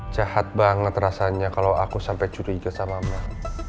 jahat banget rasanya kalau aku sampai curiga sama mbak